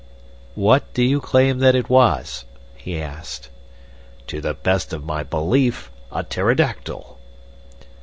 "What do you claim that it was?" he asked. "To the best of my belief, a pterodactyl."